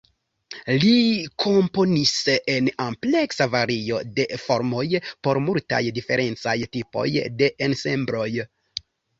Li komponis en ampleksa vario de formoj por multaj diferencaj tipoj de ensembloj.